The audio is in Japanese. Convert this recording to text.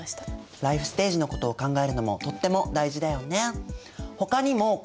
ライフステージのことを考えるのもとっても大事だよね。